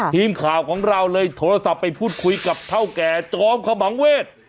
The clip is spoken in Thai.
ทีมข่าวของเราเลยโทรศัพท์ไปพูดคุยกับเท่าแก่จอมขมังเวศ